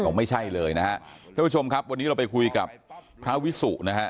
บอกไม่ใช่เลยนะฮะท่านผู้ชมครับวันนี้เราไปคุยกับพระวิสุนะฮะ